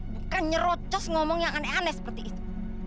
bukan nyerocos ngomong yang aneh aneh seperti itu